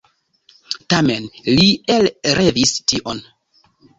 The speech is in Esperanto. Tamen li elrevis tion.